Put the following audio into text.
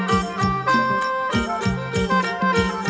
สวัสดีครับสวัสดีครับ